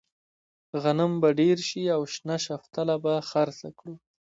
غنم به ډېر شي او شنه شفتله به خرڅه کړو.